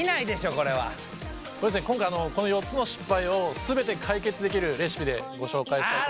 これですね今回この４つの失敗を全て解決できるレシピでご紹介したいと思います。